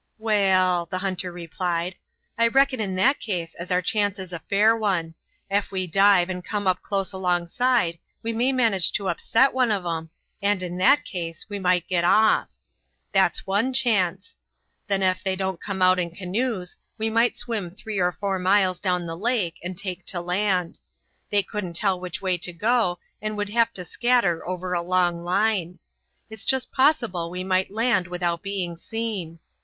"Waal," the hunter replied, "I reckon in that case as our chance is a fair one. Ef we dive and come up close alongside we may manage to upset one of 'em, and, in that case, we might get off. That's one chance. Then ef they don't come out in canoes, we might swim three or four miles down the lake and take to land. They couldn't tell which way to go and would have to scatter over a long line. It's just possible as we might land without being seen.